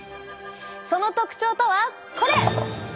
その特徴とはこれ。